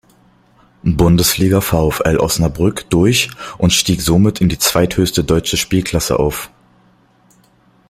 Bundesliga VfL Osnabrück durch und stieg somit in die zweithöchste deutsche Spielklasse auf.